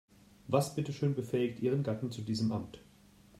Was bitteschön befähigt ihren Gatten zu diesem Amt?